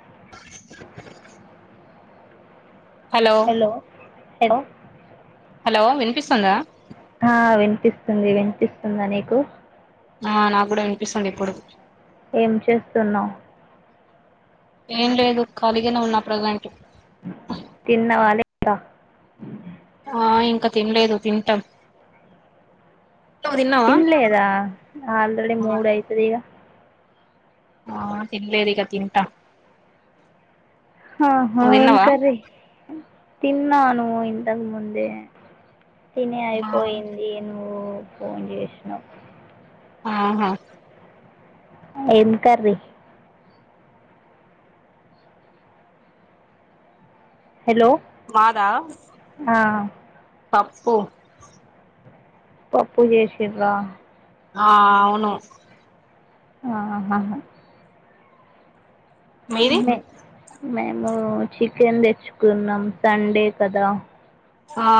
[inaudible] Hello hello हॅ विनपसंद हा विनपस्न विनपसंद नक ह नाकड विनपसं इपड एमचेस्नाव एम लद खालीगने उना प्रझेंट तिन नवाले हह इंका तिनलेद तिटम तनलेयदा आलरेडी मूड यतदीग हा तिनले दे का तिनट हा हा एम करे तिना आनव इंदाक मुंदे तने अईपईं नवू फोन जशण हा हा एन कर हॅलो हां साू पपू जशड [unintelligible] हा हा हा हा. [unintelligible] [unintelligible] हा.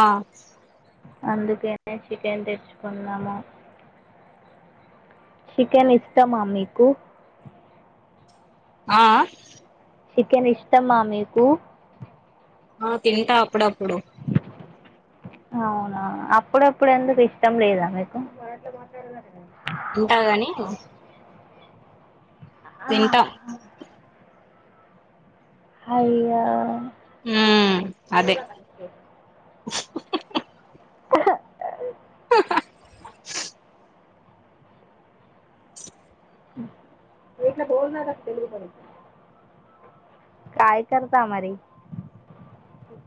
[unintelligible] आ. चिकन इष्ट. [unintelligible] [unintelligible] [unintelligible] [unintelligible] [unintelligible] [unintelligible] [unintelligible] [unintelligible] [unintelligible] [unintelligible] काय करता मारी.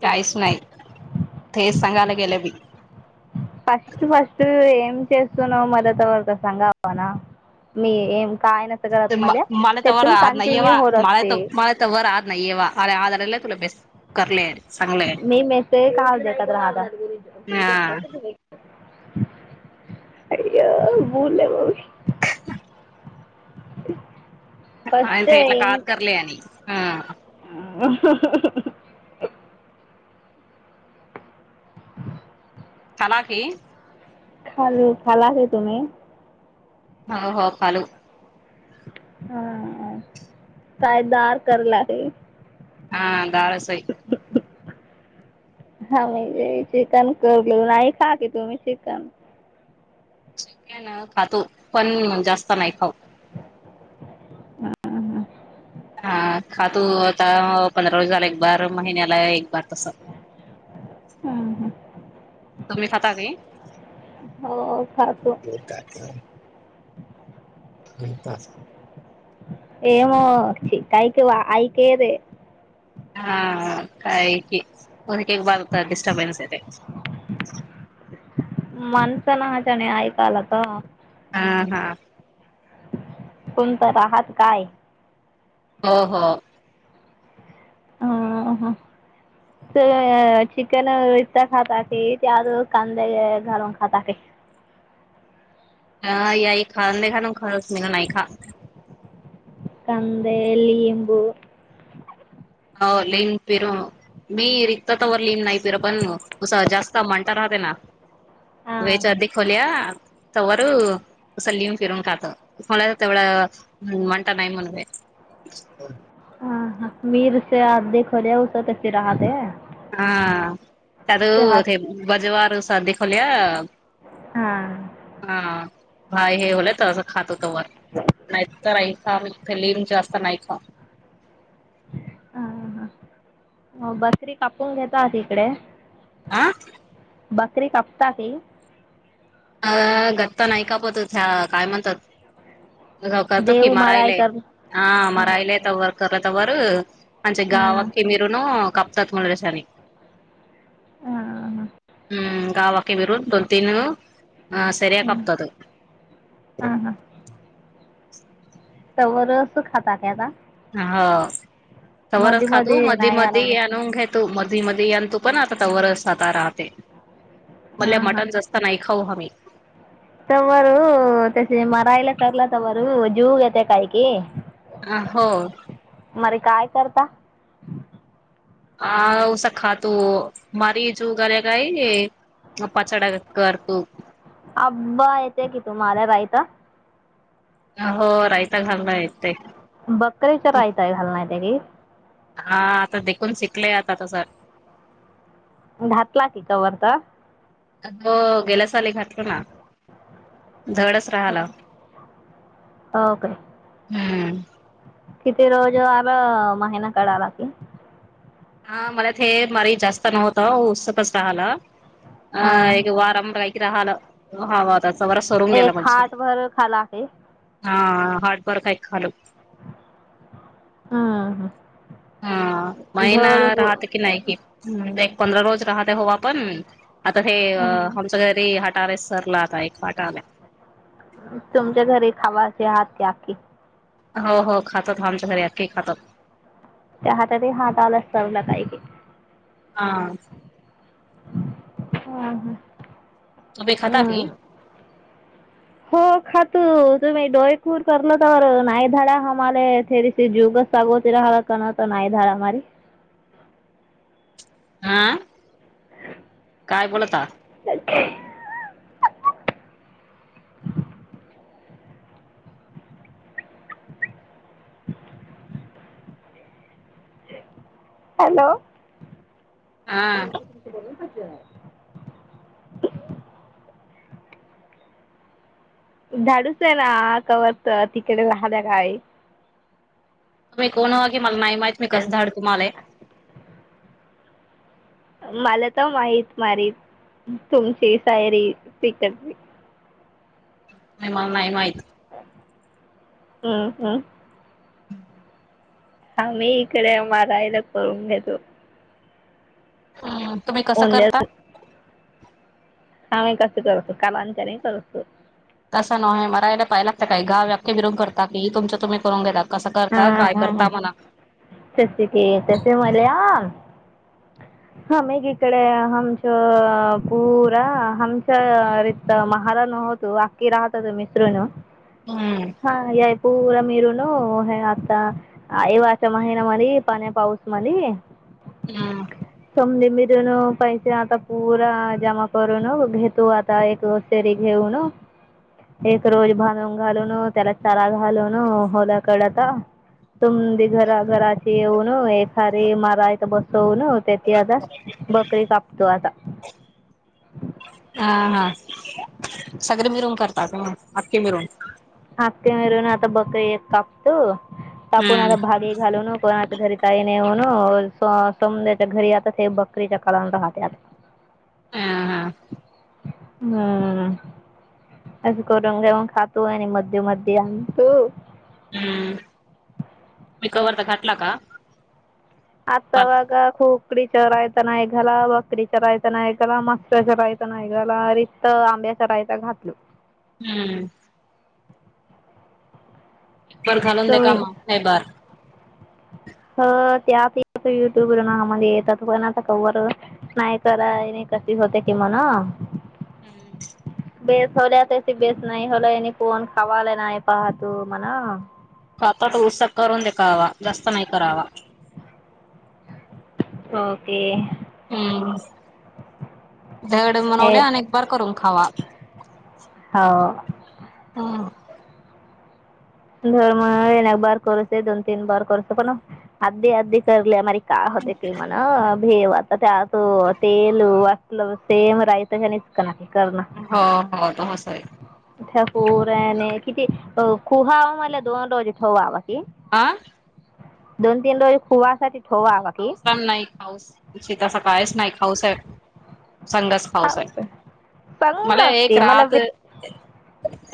काहीच नाही तेच सांगायला गेलं मी. [unintelligible] मला त्यातून कंटिन्यू होत असते [unintelligible] [unintelligible] हा [unintelligible] [unintelligible] [unintelligible] फर्स्ट टाइम [unintelligible] हा. [unintelligible] [inaudible] चला की. खाल खाला हे तुम्ही. हो हो खलो. [unintelligible] हा. [unintelligible] [inaudible] हा मी चिकन करलं नाही खा क तु चिकन. क ना खातो पण जास्त नाही खाऊ हा खातू आता पंधरा रज झाला एक बार महिन्याला एक बार तस. हम्म हम्म. तुम्ही खाता वी. हो खातो. [unintelligible] येम च कायक वा आई काय रे. हा काही क ब हो डस्टर्बनस येत. माणसं नाजणे ऐकालाता. हा हा. तुम तर आहात काय. हो हो. ह ह चिकन इता खातात ते कंद घलून खाता ते हा याई खा नाही खाान खास नाही खा. कंदे लिंबू. हो ली फिरू मी रिक्त तवर न नाही फिर पणं जास्त म्हणता राहते ना. हां वेच अधी खोल्या. तवर सं लिून फिरून खात मला तेवढं म्हणता नाही म्हण. हा हा मीरस आ देखवले उस त फि राहात. हा तू हात ते बजवार सादखलीया. हा. भाय हे होलय तर असं खात होत. नाही तरई. सा लिम जास्त नाही का अ ह बसरी कापून घेत तिकडे आह बकरी कपता ते. अ गत्त नाहीय कापतो. काय म्हणतात करतो कि देव माराय मारयलाय कर हा मारयलाय त वर करलं त वर. म्हणे गावा हा कीरन क. सत म्हला दशनी. हा हम्म. गावाके मिरून दोन तीन. ह सरी कपतत. हा [inaudible] तवर अस खातातता. हो. तच खातो मध्ये मधी नाही आणवले मध्ये आणून घेतो मधी मध्ये आण तो. पण आता तवर सात राहते. मले हा मटन जास्त नाही. खाऊ हम्. तमर तसे मरायला ठरला तमर जीव घेते काही की. हो मर काय करता. आ उऊसा खाात मरी जो घला काय पचड कर तु. अ्बा येतेय की तुम्हाला बाई तर. हो रा बकेच्या रायताय घालणार त्या की. हा आता देखून शिकलय आता तस. घातला कि कवर तर. अग गेल्या साले घातलो ना डगडच हो राहाला ओके हम्म किती रोज आ महिना कढाला की हा मला ते मारी जास्त नव्हत उत्सकच राहाला. ह हा एक वारमर राहाला ह वा एक खाट भर खाला की हार्डवर्क ऐ खाल. हा हां हा महिना राहत की नाहीयकी पंधरा रोज राहत हो पण. आता हे हम्म आमच घरीते अे सरला आता एक फट आल्या. तुमच्या घरी खावा असे हात ते आप्पे हो हो खातात आमच्या घरी आखे खातात त्या हातातही हात आला चव काय. हा ह ह तमे खताव की हा तू तुम्ही ोयखूर करलो तर ना धाडा हमेथरी स जुगसगोती राहा करण तर नाई धडामारी आं [unintelligible] काय बोलता [unintelligible] हॅलो हा [unintelligible] धाडूस आहे ना कवरत तिकडे राहिल्या ककाही तुम्ही कोण हो की मला नाही माहित मी कसं धाड तुम्हाला. मला तर माहित मारी तुमची सायरी पिकडली. म मला नाही माहीित हम्म हम्म हम् हा मी इकडे मारा इला करून घेतो. ह तुम्ही कसं करता. हा मी कस करतो [unintelligible] काच्या करतो तसा न आहे मरायला पाहायलागतं काय गाव्याप्या [unintelligible] बिरून करत. तकी तुमच तुम्हीू पाहून घेता. कसं अ करता काय हम्म हम्म करता म्हणा [unintelligible] ह सश क स मल आम हा मेग इकडे हमच पूरा हमचरत महाला न होतो आखकी राहत त मिसरून हम्म [unintelligible] हा याय पूरम मीरन हे आता अ [unintelligible] वाच महिन मरी पाने पाऊस मध हम्म. तुमीनी मिरून पैसे आता पुूरा जमा करून घेतो आता एक सेरी घेऊन एक रोज बांधून घालून त्याला चारा घालून होल्याकडता तुमदी घरा घराची येऊन एखारी मारा इथ बसवून ते. ते आता बकरी कापतो आता. हा हा. सगळे मिळून करतात. आख्खी मिरुन ख्खी मरून आता बकरी एक कापतो. कापून हम्म आता भागी घालून [unintelligible] घरी ताई न होन सौंद्याच्या घरी आता बकरीच्या [unintelligible] काळान राहते आता हा हा हम्म अ कर रंगावण खातो आणि म. मध्ये, मध्ये आणंत. हम्म [unintelligible] तुम्ही कवर तर घाटला का? पात आतावग खूप. [unintelligible] हम्म. तुम्ही [unintelligible] [unintelligible] हम्म. [unintelligible] [unintelligible] जास्त नाई करावा. ओके. हम्म हे [unintelligible] आणि एक बार करत खावा. हो हम्म. [unintelligible] काय होत ती म्हण. ठेव आता त्यात. [unintelligible] [unintelligible] [unintelligible] हो हो तस आहे ओ. [unintelligible] [unintelligible] आ. दोन तीन डोळी किया आस. [inaudible] कायच नाही काऊच. समाधाच खाऊ खायचं मला सांगास की एक मला रात्र. वित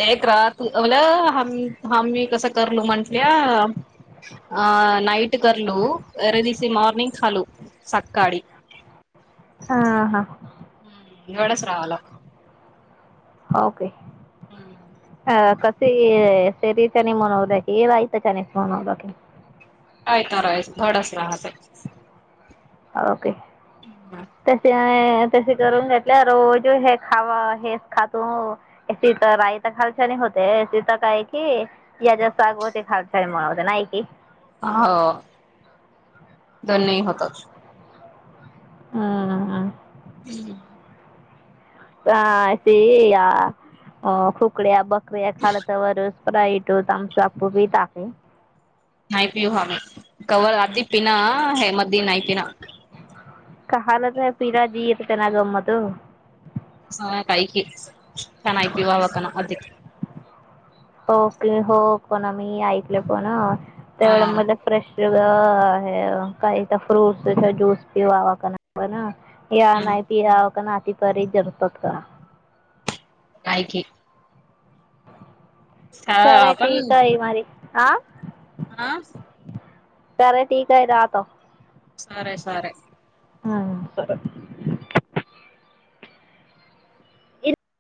एक रात्र म्हणल्या आम्ही कसं करू म्हणल्या नाईट करलू जिस. मॉर्निंग झालूं सकाळी हा हा. हम्वडच रावला. ओक. ह. ते सरी चन मनवक हेयता चानच मनवक. आय तार थोडस राहत. ओके. तसे. तशी करून घेतल्या रोज हे खावा हेच खातो तर रायत खालचाणी होते तर काय कि याच्या सागवती खालचाणी म्हण होते नाही की. हो. दन नाही होतच. हम् हम. हम्म. ह स या खुकड्या बघ. क्रिया काळात ववर अई टो तमच आपूपी टाके. नाही पिऊ आम् कवर आधी पिना हे मध्ये नाही पिना. कल तर पिराजी येत त्यांना गममत. ह काही क च नाही पवावा काण अध. होक हो पण मी ऐकल पण. तेवढं हा मला फ्रेश. हे काही तर फ्रूट्स ज्यूस पिवा्हावा क नाही पण. पि नाही पि याक. अपारी जत का. काय की. हा ले ठीक आहेई मारी. आं. आा. तरर ठीक आहे रात. सरे सर. हा सर.